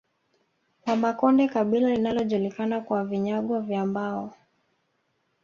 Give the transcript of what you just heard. Wamakonde kabila linalojulikana kwa vinyago vya mbao